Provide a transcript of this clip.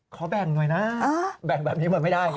ขอแบ่งหน่อยนะแบ่งแบบนี้หมดไม่ได้